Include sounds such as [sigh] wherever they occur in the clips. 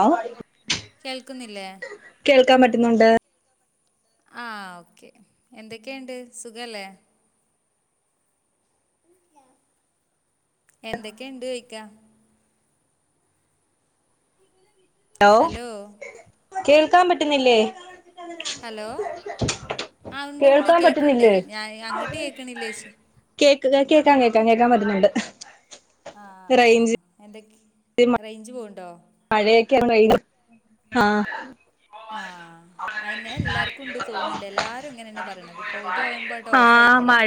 ആ കേൾക്കുന്നില്ലേ കേൾക്കാൻ പറ്റുന്നുണ്ട് ആ ഓക്കേ എന്തൊക്കെയുണ്ട് സുഖല്ലേ എന്തൊക്കെയുണ്ട് ചോയിക്ക ഹലോ കേൾക്കാൻ പറ്റുന്നില്ലേ ഹലോ ആ ഉണ്ട് ഉണ്ട് കേൾക്കാൻ കേൾക്കണ്ട് പറ്റുന്നില്ലേ ഞാൻ അങ്ങോട്ട് കേൾക്കണില്ല ചോയിച്ച കേക്കാം കേൾക്കാൻ കേൾക്കാൻ കേൾക്കാൻ പറ്റുന്നുണ്ട് ആഹ് ആഹ് റേഞ്ച് ആഹ് എന്ത റേഞ്ച് പോവണ്ടോ മഴയൊക്കെയ വെയില ആഹ് ആഹ് അയിനെ എല്ലാർക്കും ഉണ്ട് തോന്നുന്നുണ്ട് എല്ലാരും ഇങ്ങനെ തന്നെ പറയണത് പകുതിയാവുമ്പോൾയിട്ട് ഓഫായി പോവാ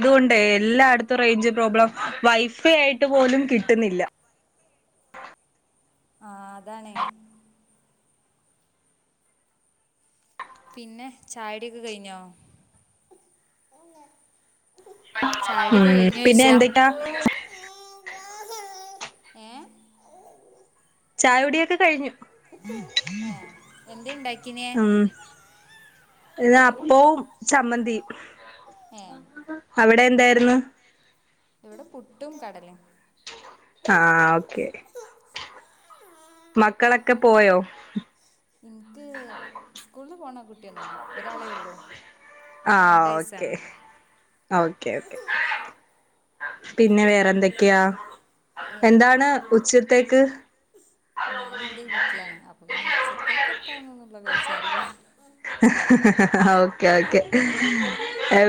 അതുകൊണ്ട് എല്ലായിടത്തും റേഞ്ച് പ്രോബ്ലം വൈഫൈ ആയിട്ട് പോലും കിട്ടുന്നില്ല ആഹ് അതാണേ പിന്നെ ചായടിയൊക്കെ കഴിഞ്ഞോ ഉം ചായടിയൊക്കെ കഴിഞ്ഞോ പിന്നെ ചോഴിച്ചാ എന്തൊക്കാ ഏഹ് ചായ കുടിയൊക്കെ കഴിഞ്ഞു ഏഹ് എന്തേണ്ടാക്കിന ഇവിടെ അപ്പവും ചമ്മന്തിയും ഏ അവിടെന്തായിരുന്നു ഇവിടെ പുട്ടും കടലയും ആഹ് ഓക്കെ മക്കളൊക്കെ പോയോ ഇൻക്ക് സ്കൂള് പോണ കുട്ടിയൊന്നല്ല ഒരാളേ ഉള്ളൂ. ഓന് രണ്ട് ആഹ് ഓക്കെ വയസ്സാണ് ആഹ്‌ ഓക്കെ ഓക്കെ പിന്നെ വേറെന്തൊക്കെയാ ഏറെന്താ എന്താണ് ഉച്ചത്തേക്ക് ഞാൻ ഇന്റെ വീട്ടിലാണ് അപ്പൊ പിന്നെ ഉച്ചത്തേക്ക് എത്താന്ന്ന്നള്ളച്ചാഅറിയില്ല ഓക്കെ ഓക്കേ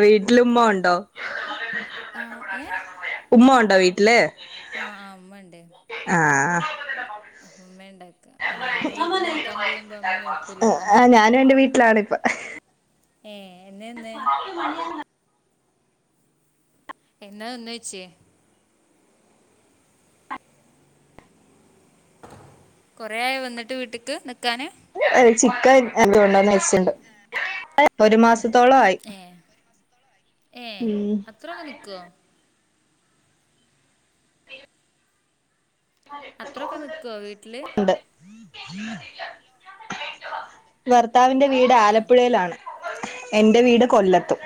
വീട്ടില് ഉമ്മ ഉണ്ടോ? ആഹ് ഏഹ് ഉമ്മ ഉണ്ടോ വീട്ടില് ആഹ് ആഹ് ഉമ്മണ്ട് ആഹ് ആഹ് അപ്പമ്മേണ്ടാക്ക നമ്മളോടെ വീട്ടില് നിക്കാൻ പോകുമ്പ നമ്മള് നോക്കൂലല്ലോ ആ ഞാനും എന്റെ വീട്ടിലാണിപ്പ ഏഹ് എന്നെന്ന് [unintelligible] എന്നാ ഒന്ന് ച്ചേ കൊറെ ആയൊ വന്നിട്ട് വീട്ട്ക്ക് നിക്കാന് ചിക്കൻ എന്തുകൊണ്ടന്ന് നച്ചുണ്ട് ഇപ്പം ഒരു മാസത്തോളായി ഏഹ് അത്രൊക്കെ നിക്കൊ? [unintelligible] അത്രൊക്കെ നിക്കൊ വീട്ടില് ണ്ട് ഭർത്താവിന്റെ വീട് ഏ ആലപ്പുഴയിലാണ് എന്റെ വീട് കൊല്ലത്തും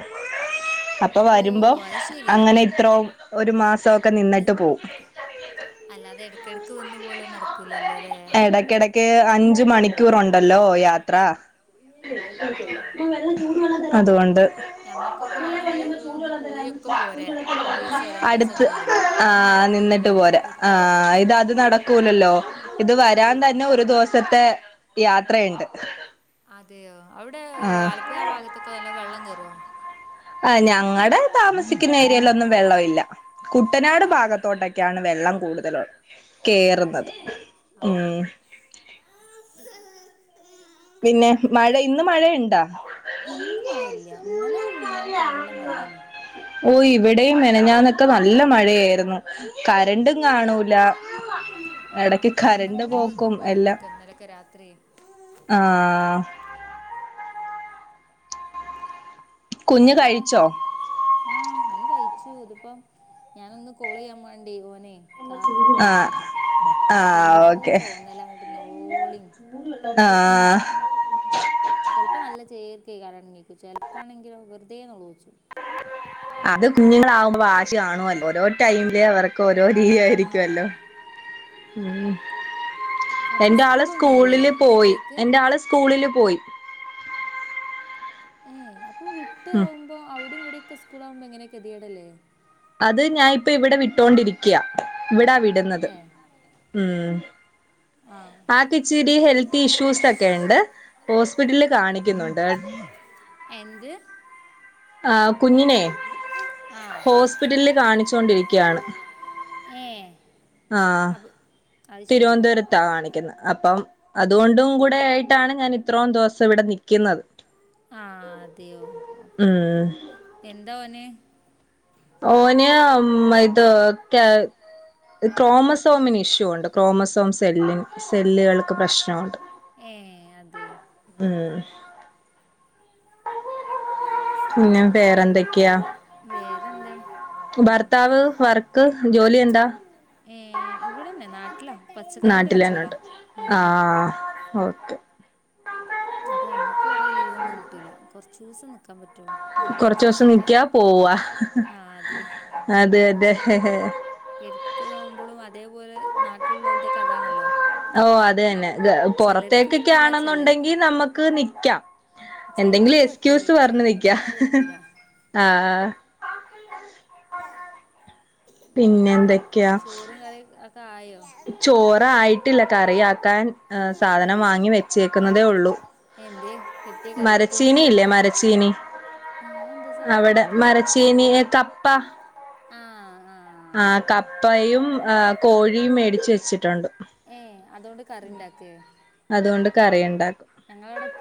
അപ്പൊ ഓ വരുമ്പോ അത് ശരി അങ്ങനെ ഇത്രോ ഒരു മാസവോക്കെ നി നിന്നിട്ട് പോവും അല്ലാതെ ഇടക്കിടക്ക് വന്നു പോലും നടത്തും നടക്കുല ലാല ഇടക്കിടക്ക് അഞ്ച് മണിക്കൂറുണ്ടല്ലോ യാത്ര ആഹ് അതുകൊണ്ട് ഞമ്മക്കൊക്കെ വേണെങ്കി ഒന്ന് പോയൊക്കെ പോരെ ഒരു ദിവസോ രണ്ടു ദിവസോ അടുത് ഒക്കെ കൂടുമ്പോ അത് ആഹ് നിന്നിട്ട് നടക്കൂലല്ലോ പോരാ വിട്ടാവുമ്പോ ആഹ് ഇത് അത് നടക്കൂലല്ലോ ഇത് വരാൻ തന്നെ ആഹ് ഒരു ദിവസത്തെ യാത്രയണ്ട് അതെയോ അവിടെ ആലപ്പുഴ ഭാഗത്തൊക്കെ നല്ല വെള്ളം കേറുവോ ആഹ് ഞങ്ങടെ താമസിക്കുന്ന ഏരിയിലൊന്നും വെള്ളമില്ല കുട്ടനാട് ഏ ഭാഗത്തോട്ടൊക്കെയാണ് വെള്ളം കൂടുതല് ഓ അത് കേറുന്നത് ശരി ഉം ആഹ് [unintelligible] പിന്നെ മഴ ഇന്ന് മഴുണ്ടാ ഇന്ന് മഴല്ല ഇന്നലെ മിനി ഞ്ഞന്ന് കല്ല മയേന ഓഹ് ഇവിടെയും മിനിഞ്ഞാന്നൊക്കെ നല്ല മഴയായിരുന്നു കാറ്റ്. രണ്ടും കാണൂല ആഹ് എടക്ക് അപ്പൊ കരണ്ട് കരണ്ടങ്ങനെ വന്നും പോക്കും എല്ലാം പോയോണ്ട്ക്ക ഇന്നലൊക്കെ രാത്രി ആഹ് കുഞ്ഞ് അവ്ടെ കഴിച്ചോ ആഹ് ഓന് കഴിച്ചു ഇതിപ്പം ഞാനൊന്ന് കോള് ചെയ്യാൻ വേണ്ടി ഓനെ കാർട്ട്റൂട്ട് ആഹ് എടുത്തുക്ക ആഹ് ഓരോ ഓക്കെ തോന്നലായിട്ട് ന്നോളോളിൻ ഇതൊക്കെ ആഹ് ചെലപ്പൊ നല്ല ചേല്ക്കെ കലങ്ങീക്കു ചെലപ്പാണെങ്കിലോ വെറുതെ നേളോച്ചും അത് കുഞ്ഞുങ്ങളാവുമ്പോ വാശി കാണുവല്ലോ ഓരോ ടൈമില് അവർക്ക് ഓരോ രീതിയായിരിക്കുവല്ലോ ആഹ് ഉം അപ്പൊ എന്റെ ആള് സ്കൂളൊന്നുല്ലേ സ്കൂളില് പോയി കുട്ടിയേക്ക് എന്റെ ആള് സ്‌ സ്കൂളില് പോയി ഏ അപ്പ വിട്ട ഉം ആകുമ്പോ അവിടെയും ഇവിടെയൊക്കെ സ്കൂൾ ആകുമ്പോ എങ്ങനെയൊക്കെതിയേടല്ലേ അത് ഞാൻ ഇപ്പൊ ഇവിടെ വിട്ടോണ്ടിരിക്കയാ ഇവിടാ വിട് ന്നത് ഏഹ് ഉം ആഹ് ആക്ക് ഇച്ചിരി ഹെൽത്ത് ഇഷ്യൂസ് ഒക്കെ ഇണ്ട് ഹോസ്പിറ്റലില് കാണിക്കുന്നുണ്ട് എന്ത് ആഹ് കുഞ്ഞിനേ ആഹ് ഹോസ്പിറ്റല് കാണിച്ചുകൊണ്ടിരിക്കയാണ് ഏഹ് ആഹ് തിരുവന്തോര ത്താ കാണിക്കുന്നത് അപ്പം അതുകൊണ്ടും കൂടെ ആയിട്ടാണ് ഞാൻ ഇത്രോം ദിവസം ഇവിട നിക്കുന്നത് ആഹ് അതേയോ ഉം എന്താ ഓന് ഓന് മ് ഇത് കെ ക്രോമസോമിന് ഇഷ്യൂ ഒണ്ട് ക്രോമസോം സെല്ലിന് സെല്ലുകൾക്ക് പ്രശ്നൊണ്ട് ഏഹ് അതേ ഉം പിന്ന വേറെന്തക്കെയാ വേറെന്താ ഭർത്താവ് വർക്ക് ജോലി എന്താ ഏഹ് ഇവിടന്നെ നാട്ടിലാ പച്ചക്കറീന്റ കച്ചോടാ നാട്ടിലന്നോട്ട് ഉം ഉം ആഹ് ഓക്കെ അപ്പൊ നമ്മക്ക് കൊറേ ലീവ് ഒന്നും കിട്ടൂല കുറച്ചു ദിവസം നിക്കാൻ പറ്റുള്ളൂ നാലഞ്ച് കൊറച്ചു ഓസം ദിവസമൊക്കെ നിക്കാ പോവാ ആ അതെ അതെ അതെ എടുത്തു നോമ്പൊഴും അതേപോലെ നാട്ടിലുള്ളവലത്തൊക്കെ അതാണല്ലോ ഓ അത് തന്നെ ഇത്‌ ചിലർക്ക് പൊറത്തേക്കൊക്ക പറ്റൂല ചിലർ ആണെന്നുണ്ടെങ്കി നമ്മക്ക് നിക്കാം എന്തെങ്കിലും ചിലർക്ക് പറ്റൂലേ എസ്ക്യൂസ് പറഞ്ഞ് ഇവിടെ നിക്കാം ഒന്നും അത് പറ്റൂല ആഹ് ആഹ് പിന്നെ എന്തൊക്കെയാ ചോറും കറി ഒക്ക ആയോ ചോറായിട്ടില്ല കറിയാക്കാൻ സാധനം വാങ്ങി വെച്ചേക്കുന്നതേ ഉള്ളൂ എന്തേ കിട്ടിയ കറിക്ക് മരച്ചീനിയില്ലേ മരച്ചീനി ഏ അതെന്താ സാധനം അവടെ കേട്ട്ക്ക്ണ് മരച്ചീനിയെ കപ്പ ആ ആ ആഹ് അതാ കപ്പയും ആ കോഴിയും മേടിച്ച് വെച്ചിട്ടുണ്ട് ഏഹ് അതോണ്ട് കറി ഉണ്ടാക്കേ അതുകൊണ്ട് കറിയുണ്ടാക്കും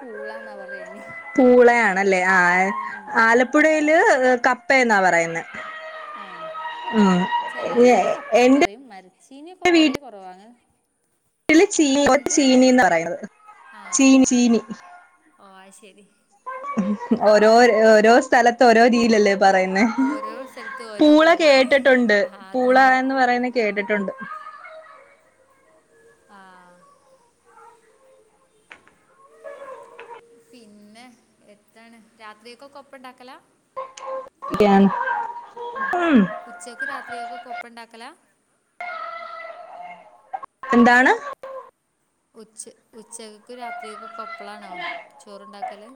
പൂളാന്നാ പറയാ അയിന് പൂളയാണല്ലേ ആഹ് എ ആലപ് പ്പുഴേല് കപ്പയെന്നാ പറയുന്നെ ഏഹ് ഉം ചിലരിവിടെ കപ്പാന്ന് എന്റെ പറയും മര് ച്ചീനിയിപ്പൊ വളരെ കുറവാണ് ട്ടില് ചീനി ഒ എന്ത് ചീനീന്നാ പറയണത് ചീനി ചീനി അഹ് ശരി ഓരോര് ഓരോ സ്ഥലത്ത് ഓരോ രീയിലല്ലേ പറയുന്നെ ഓരോ സ്ഥലത്ത് ഓരോ പൂള പോലെയാണ് കേട്ടിട്ടുണ്ട് ആ പൂള അതന്നെ എന്ന് പറയുന്ന കേട്ടിട്ടുണ്ട് ആഹ് പിന്ന എന്താണ് രാത്രിയൊക്കെക്കൊപ്പം ണ്ടാക്കലാ. രാ ഉം ഉച്ചക്കു രാത്രികക്കൊക്കെ കൊപ്പണ്ടാക്കലാ. എന്താണ്? ഉച്ച ഉച്ചകക്ക് രാത്രികക്ക് പ്പളാണോ ചോറ്ണ്ടാക്കല്?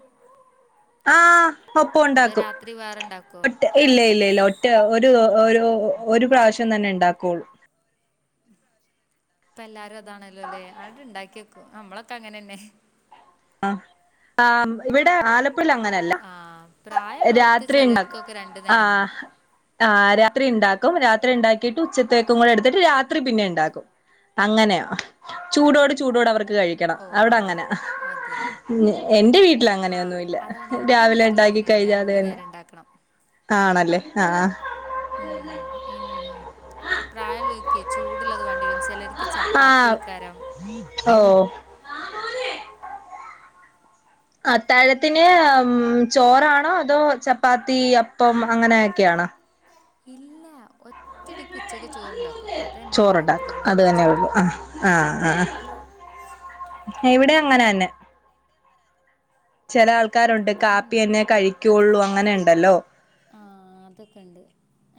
അത് ആഹ് ഒപ്പം അതോ ഉണ്ടാക്കും രാത്രി വേറെണ്ടാക്കോ? ഒറ്റ ഇല്ല ഇല്ല ഇല്ല ഒറ്റ ഒരു ഒരു ഒരു പ്രാവശ്യം തന്നെ ക്കോണ്ടാള്ളൂ. ഇപ്പല്ലാരും അതാണല്ലോല്ലേ അങ്ങട്ട്ണ്ടാക്കി വെക്കൂ നമ്മളൊക്കെ അങ്ങനന്നെ. അ ആഹ് ഇവിടെ ആലപ്പുഴല് അങ്ങ ന്നല്ല ആ പ്രായമുള്ളവർക്ക് രാത്രി ഉണ്ടാക്കും ചിലർക്കൊക്കെ രണ്ട് നേരം ആഹ് വേണം ആഹ് രാത്രി ഇണ്ടാക്കും രാത്രി ഇണ്ടാക്കീട്ട് ഉച്ചത്തേക്കും കൂടെ എടുത്തിട്ട് രാത്രി പിന്നേം ഇണ്ടാക്കും അങ്ങനെയൊ ചൂടോട് ചൂടോട് അവർക്ക് കഴിക്കണം ഓ ആ അവ്ടങ്ങനാ. അതെ എന്റെ വീട്ടിൽ ആ അങ്ങനെയൊന്നുവില്ല. അതാണ് എൻ്റെ രാവിലെ വീട്ടിൽ ണ്ടാക്കി അങ്ങനെയാണ് കഴഞ്ഞാ രണ്ട് അതന്നെ നേരം ഉണ്ടാക്കണം ല്ല ആഹ് ഉം ഉം പ്രായൊള്ളൊര്ക്കേ ചൂട്ള്ളത് വാണ്ടിരും. ആഹ് ഓഹ് അത്താഴത്തിന് ചോറാണോ അതോ ചപ്പാത്തി അപ്പം അങ്ങനേക്കെയാണോ? ഇല്ലാ ഒ- ഒറ്റടിക്ക് ഉച്ചക്ക് ചോർണ്ടാക്കും അതന്നെ ചോറുണ്ടാക്കും രാത്രില്ല അത് തന്നെ ഉള്ളു ആ ഉച്ചക്കൊക്കെ ആ ആ ഇവിടെ അങ്ങനന്നെ ചിലാൾക്കാരൊണ്ട് ഒന്നാമത് കാപ്പിയന്നെ കഴിക്കൊള്ളൂ അങ്ങനെണ്ടല്ലോ ആഹ് അതക്കെണ്ട്.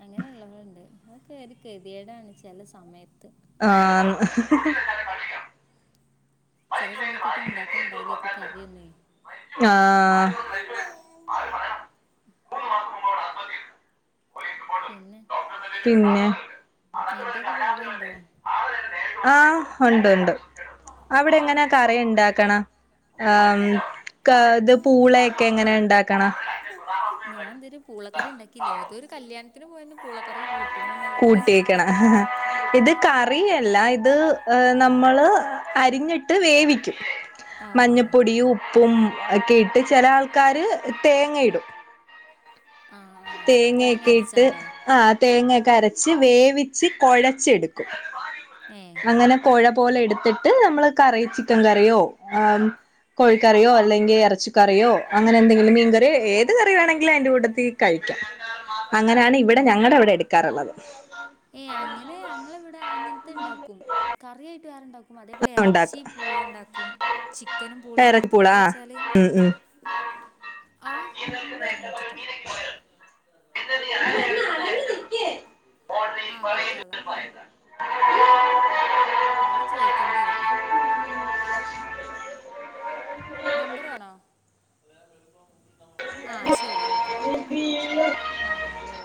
അങ്ങനൊള്ളവര്ണ്ട് അതൊക്കെ ഒര് ഗതിയേടാണ് ചെലസമയത്ത്. ആന്ന് ചെലസമയത്ത്തുണ്ടാക്കാൻണ്ടാവില്ലേക്ക് കറിയൊന്നേ. ആഹ് പിന്നെ പിന്നെ ഏട്ടെങ്കെ പോവേണ്ടോ? ആഹ് ഒണ്ട് ണ്ട്. അവിടെ ങ്ങനെ കറിണ്ടാക്കണാ ആം കാ ത് പൂളയെക്കെ എങ്ങന ണ്ടാക്കണാ? ഞാൻന്ത്‌ വരെ പൂളക്കറി ണ്ടാക്കിയില്ല ഏതൊരു കല്യാണത്തിന് പോയന്ന് പൂളക്കറി കൂട്ട- കൂട്ടീക്ക്ണ് ഇത് കറി അല്ലാ ഇത് നമ്മള് അരിഞ്ഞിട്ട് വേവിക്കും ആ ആ മഞ്ഞപ്പൊടിയും ഉ- പ്പും ഒക്കെ ഇട്ട് ചെലാ ആൾക്കാര് തേങ്ങയിടും. ആ ആ തേങ്ങ തേങ്ങക്കെ ഇട്ട് അരച്ചാണ്ടോ ആഹ് തേങ്ങക്കരച്ച് വേവിച്ച് കുഴച്ചെടുക്കും ഏ അങ്ങന കോഴ- പോലെ എടുത്തിട്ട് നമ്മള് കറി ചിക്കൻ കറിയോ കോഴിക്കറിയോ അല്ലെങ്കി എറച്ചി- കറിയോ അങ്ങനെ എന്തെങ്കിലും മീൻ കറിയോ ഏത് കറി വേണെങ്കിലും അയ്ന്റോട്ടത്തി കഴിക്കാം. അങ്ങനാണ് ഇവിടെ ഞങ്ങടെ അവിടെ എടുക്കാറള്ളത്. ഏഹ് അങ്ങനെ ഞങളിവ്ടെ അങ്ങൻത്തെ ണ്ടാക്കും കറിയായിട്ട് വേറെണ്ടാക്- അതേപോലെ എർച്ചി ഉണ്ടാക്കും പൂളണ്ടാക്കും ചിക്കനും എറക്കി പൂളണ്ടാക്കിൽ പൂള അത് ആ വെച്ചാല് ഉം ഉം ആഹ് ഒരു മിനിറ്റ് ട്ടോ. അത് പ്പാന്റെ ആണ് കൊടുക്കാള്ളാ. അത് ചോയിക്കേണ്ടി വരും നമ്പറ് വേണോ? ആ ശരി ആയിക്കോട്ടെ. ആഹ് അലോ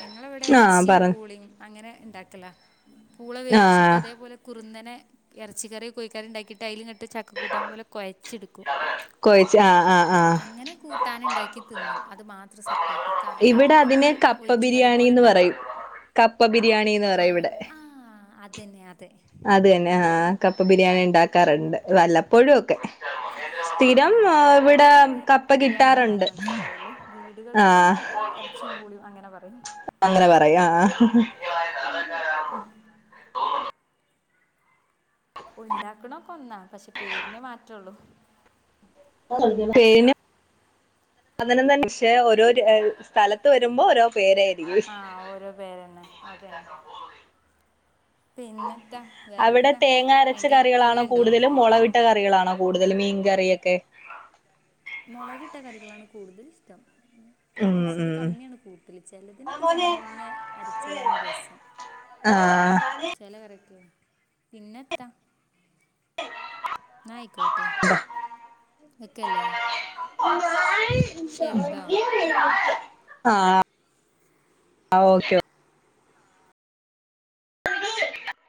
ഞങ്ങൾവ്ടെ ആഹ് എർചീം പറഞ്ഞോ പൂളേം. അങ്ങനെ ണ്ടാക്കലാ പൂള വേവിച്ചിട്ട് ആഹ് അതേപോലെ കുറുന്നനെ എറച്ചിക്കറിയൊ കോഴിക്കറിയൊണ്ടാക്കിട്ട് അയ്ലിങ്ങട്ട് ചക്ക കൂട്ടാൻ പോലെ കൊഴച്ചെടുക്കും. കൊഴച്ച് ആഹ് ആഹ് ആഹ് അങ്ങനെ കൂട്ടാന്ണ്ടാക്കി തിന്നും അത് മാത്രം സപ്പറേറ്റ് കറിയായിട്ട് ണ്ടാക്കുമ്പോ. പ്പ ബിരിയാണീന്ന് പറയും കപ്പ ബിരിയാണീന്ന് പറയും ഇവിടെ. ആഹ് അതന്നെ അത്. അതന്നെ ആഹ് കപ്പ ബിരിയാണിണ്ടാക്കാറ്ണ്ട് വല്ലപ്പോഴും ഒക്കെ സ്ഥിരം ആഹ് ഇവിടെ ഹോട്ടലിലൊക്കെ പോയ കപ്പ ബിരിയാണി പറഞ്ഞാലേ കിട്ടാറുണ്ട് മനസ്സിലാവൊള്ളൂ വീടുകളിലൊക്കെ ആഹ് ഇണ്ടാക്ക ഇറ ച്ചിയും പൂളിയും അങ്ങനെ പറയും അങ്ങനെ പറയാ ആഹ് ഹും ഇപ്പോഉണ്ടാക്കണൊക്കൊന്നാ പക്ഷെ പേരിനെ മാറ്റൊള്ളൂ പേരിൻ അതിന തന്നെ പക്ഷെ ഓരോ സ്ഥലത്ത് വരുമ്പോൾ ഓരോ പേരായി ആഹ് ഓരോ പേരന്നെ അതന്നെ പിന്നെത്താ അവിടെ വേറെത്താ തേങ്ങ അരച്ച എവിടേക്ക് കറികളാണോ പോവേണ്ടോ കൂടുതലും മുളവിട്ട ഇട്ട കറികളാണോ കൂടുതൽ മീൻ കറിയൊക്കെ മൊളകിട്ട കറികളാണ് കൂടുതൽ ഇഷ്ടം തേങ്ങ ഉം അരച്ചത് ഉം കമ്മിയാണ് കൂട്തൽ ചെലതിനൊക്കെ തേങ്ങ അരച്ചതാണ് രസം ആഹ് ചെല കറിക്ക് പിന്നെത്ത ന്നആയിക്കോട്ടെ വെക്കല്ലേ ശരിട്ടോ ആഹ് ഓക്കെ ഉ [unintelligible]